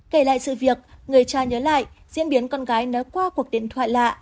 kể lại sự việc người cha nhớ lại diễn biến con gái nới qua cuộc điện thoại lạ